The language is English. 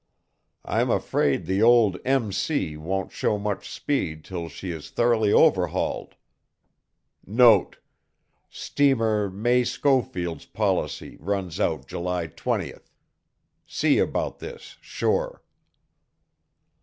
I'm afraid the old M. C. won't show much speed till she is thoroughly overhauled. Note Stmr. May Schofield's policy runs out July 20th. See about this, sure."